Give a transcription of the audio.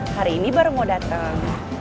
hari ini baru mau datang